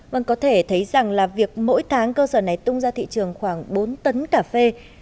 vâng có thể thấy rằng là việc mỗi tháng cơ sở này tung ra thị trường khoảng bốn tấn cà phê